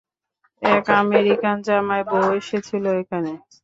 এক আমেরিকান জামাই বউ এসেছিলো এখানে।